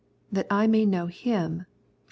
" That I may know Him " (Phil.